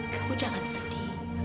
kamu jangan sedih